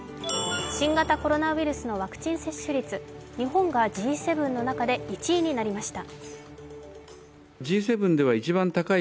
新型コロナウイルスのワクチン接種率、日本がＧ７の中で１位になりました。